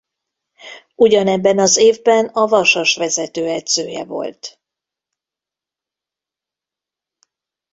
Ugyanebben az évben a Vasas vezetőedzője volt.